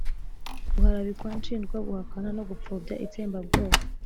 guharabikwa nshinjwa guhakana no gupfobya itsembabwoko.